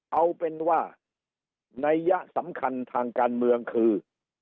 เอาเป็นว่านัยยะสำคัญทางการเมืองคือ